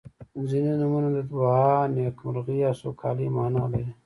• ځینې نومونه د دعا، نیکمرغۍ او سوکالۍ معنا لري.